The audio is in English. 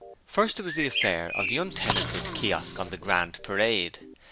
First, there was the affair of the untenanted Kiosk on the Grand Parade.